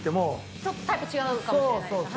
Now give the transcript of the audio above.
ちょっとタイプ違うかもしれないです。